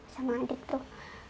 sama adik tuh